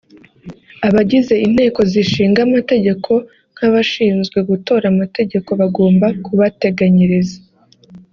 …) Abagize inteko zishinga amategeko nk’abashinzwe gutora amategeko bagomba kubateganyiriza